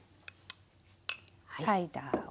サイダーを。